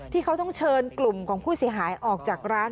ที่เขาต้องเชิญกลุ่มของผู้เสียหายออกจากร้าน